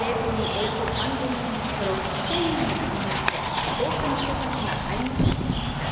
およそ３０００円のところ１０００円で販売され、多くの人たちが買い求めていました。